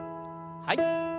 はい。